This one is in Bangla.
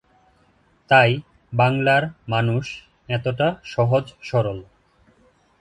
তাই বাংলার মানুষ এতটা সহজ সরল।